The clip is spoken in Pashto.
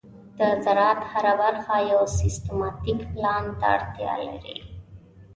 د زراعت هره برخه یو سیستماتيک پلان ته اړتیا لري.